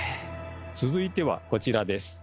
続いてはこちらです。